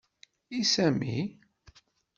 I Sami?